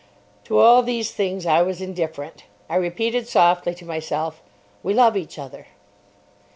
To all these things I was indifferent. I repeated softly to myself, "We love each other."